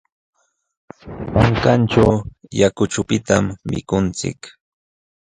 Pankanćhu yakuchupitam mikunchik.